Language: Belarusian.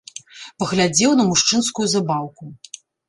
Паглядзеў на мужчынскую забаўку.